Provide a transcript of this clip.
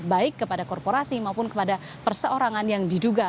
baik kepada korporasi maupun kepada perseorangan yang diduga